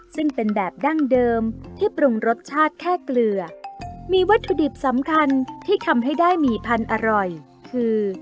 ซึ่งเป็นแบบดั้งเดิมที่ปรุงรสชาติแค่เกลือมีวัตถุดิบสำคัญที่ทำให้ได้หมี่พันธุ์อร่อยคือ